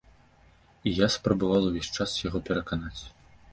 І я спрабавала ўвесь час яго пераканаць.